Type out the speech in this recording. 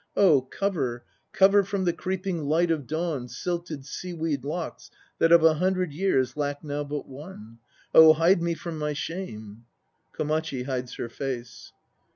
"Oh cover, cover From the creeping light of dawn Silted seaweed locks that of a hundred years Lack now but one. Oh hide me from my shame." (KOMACHI hides her face.)